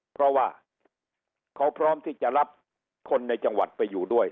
เพราะว่าเขาพร้อมที่จะรับคนในจังหวัดไปอยู่ด้วย